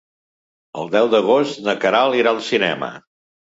El deu d'agost na Queralt irà al cinema.